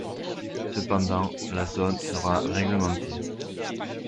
Cependant, la zone sera réglementée.